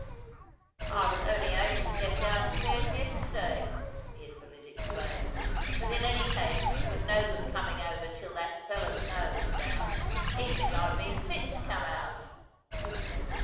"I was only able to get down downstairs yesterday," the invalid explained. "But in any case it wasn't no good coming over till that spell o' snow was down, even if I'd been fit to come out."